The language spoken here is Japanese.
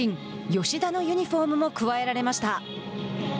吉田のユニホームも加えられました。